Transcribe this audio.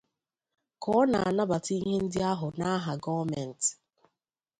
Ka ọ na-anabata ihe ndị ahụ n'aha gọọmenti